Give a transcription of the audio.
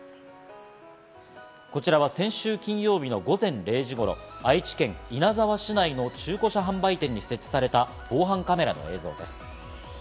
こちらは先週金曜日の午前０時頃、愛知県稲沢市内の中古車販売店に設置された防犯カメラの映像です。